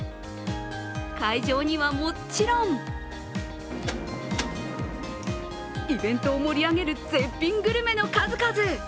会場にはもちろんイベントを盛り上げる、絶品グルメの数々。